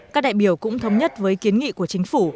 các đại biểu cũng thống nhất với kiến nghị của chính phủ